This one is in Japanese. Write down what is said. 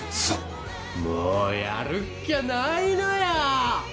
そうもうやるっきゃないのよ！